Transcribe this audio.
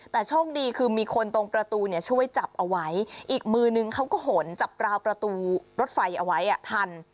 แต่โชคดีคือมีคนตรงประตูเนี่ยช่วยจับเอาไว้อีกมือนึงเขาก็หนจับราวประตูรถไฟเอาไว้ทัน